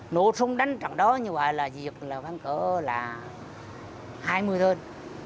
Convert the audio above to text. nổ súng đánh trong đó như vậy là việc là văn cỡ là hai mươi thân